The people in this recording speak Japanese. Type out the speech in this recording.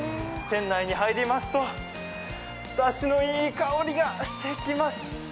店内に入りますと、だしのいい香りがしてきます。